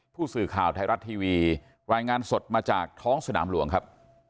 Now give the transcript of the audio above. ผู้สื่อข่าวไทยรัฐทีวีรายงานสดมาจากท้องสนามหลวงครับ